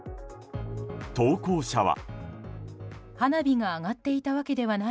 投稿者は。